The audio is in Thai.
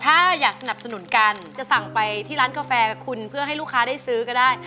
ถ้าอยากสนับสนุนกันจะสั่งไปที่ร้านกาแฟกับคุณเพื่อให้ลูกค้าได้ซื้อก็ได้